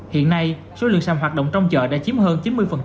hiện nay số lượng sàm hoạt động trong chợ đã chiếm hơn chín mươi